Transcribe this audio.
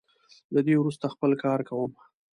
له دې وروسته خپل کار کوم.